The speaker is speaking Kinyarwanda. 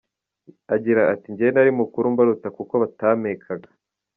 Agira ati “Njyewe nari mukuru mbaruta kuko batampekaga.